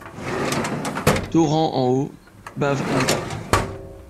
Torrents en haut, baves en bas.